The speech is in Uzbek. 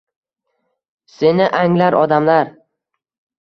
Seni anglar odamlar.